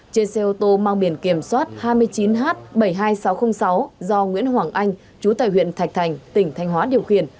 trên xe ô tô mang biển kiểm soát hai mươi chín h bảy mươi hai nghìn sáu trăm linh sáu do nguyễn hoàng anh chú tài huyện thạch thành tỉnh thanh hóa điều khiển